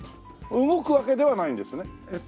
動くわけではないんですね？